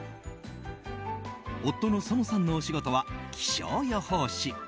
夫のＳＯＮＯさんのお仕事は気象予報士。